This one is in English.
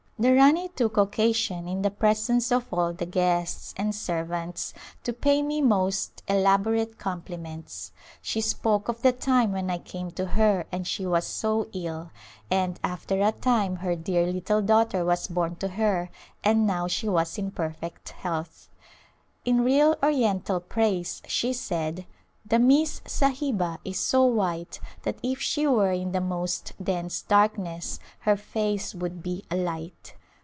The Rani took occasion in the presence of all the guests and servants to pay me most elaborate compli ments. She spoke of the time when I came to her and she was so ill, and after a time her dear little daughter was born to her, and now she was in perfect health. In real oriental praise she said, "The Miss Sahiba is so white that if she were in the most dense darkness her face would be a light."